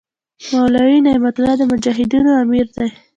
مولوي نعمت الله د مجاهدینو امیر دی.